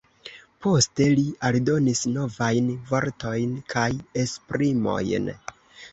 Poste li aldonis novajn vortojn kaj esprimojn.